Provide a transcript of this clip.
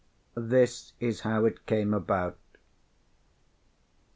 This is how it came about.